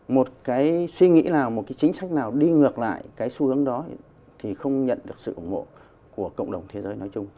một cái suy nghĩ nào một cái chính sách nào đi ngược lại cái xu hướng đó thì không nhận được sự ủng hộ của cộng đồng thế giới nói chung